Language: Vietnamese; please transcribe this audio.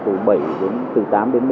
của việt nam chúng ta là đang